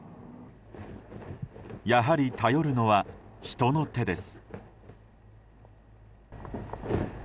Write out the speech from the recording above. やはり頼るのは人の手です。